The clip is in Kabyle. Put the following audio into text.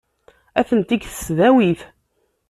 Atenti deg tesdawit.